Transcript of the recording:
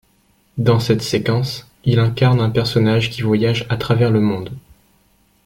Dans cette séquence, il incarne un personnage qui voyage à travers le monde.